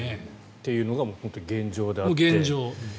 というのが現状であると。